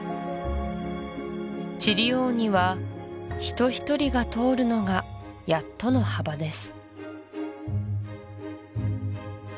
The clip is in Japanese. チリオーニは人ひとりが通るのがやっとの幅です